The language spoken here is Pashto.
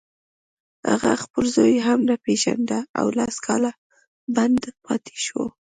هغه خپل زوی هم نه پېژانده او لس کاله بند پاتې شو